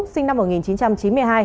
sinh năm một nghìn chín trăm chín mươi hai